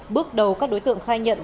bước đầu các đối tượng khai nhận đã rủ nhau